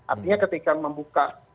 artinya ketika membuka